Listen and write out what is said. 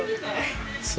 そう。